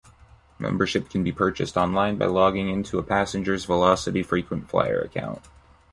Membership can be purchased online by logging into a passenger's velocity frequent flyer account.